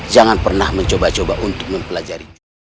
jangan pernah mencoba coba untuk mempelajari